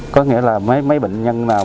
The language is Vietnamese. có nghĩa là mấy bệnh nhân nào